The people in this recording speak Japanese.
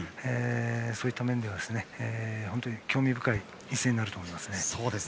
そういった面では興味深い一戦になると思います。